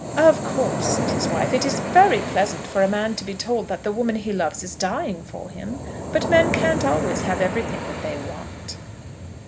"Of course," said his wife, "it is very pleasant for a man to be told that the woman he loves is dying for him; but men can't always have everything that they want."